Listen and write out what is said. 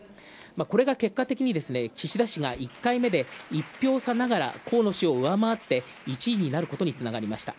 これが結果的に岸田氏が１回目で１票差ながら河野氏を上回って、１位になることにつながりました。